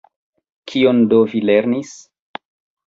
Kion do vi lernis?